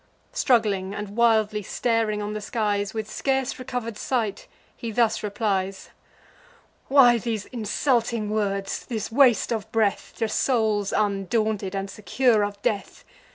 Struggling, and wildly staring on the skies, With scarce recover'd sight he thus replies: "Why these insulting words, this waste of breath, To souls undaunted, and secure of death?